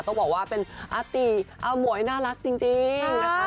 ต้องบอกว่าเป็นอาติอาหมวยน่ารักจริงนะคะ